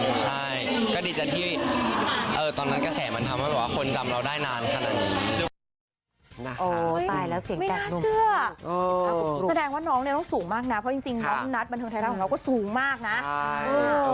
ใช่ก็ดีใจที่ตอนนั้นกระแสมันทำให้แบบว่าคนจำเราได้นานขนาดนี้